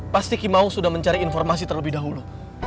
pasti kimau sudah mencari informasi terlebih dahulu